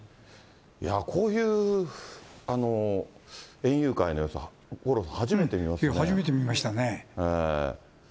こういう園遊会の様子は、五郎さん、初めて見ましたね。